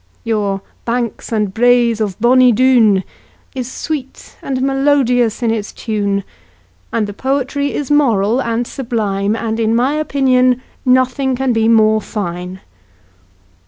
Your "Banks and Braes of Bonnie Doon" Is sweet and melodious in its tune, And the poetry is moral and sublime, And in my opinion nothing can be more fine.